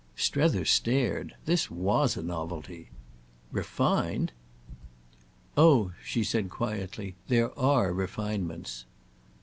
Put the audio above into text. Strether stared—this was a novelty. "Refined?" "Oh," she said quietly, "there are refinements."